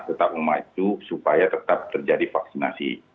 tetap memacu supaya tetap terjadi vaksinasi